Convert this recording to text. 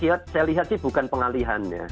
ini kalau saya lihat sih bukan pengalihannya